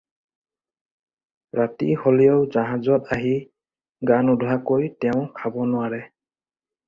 ৰাতি হ'লেও জাহাজত আহি গা নোধোৱাকৈ তেওঁ খাব নোৱাৰে।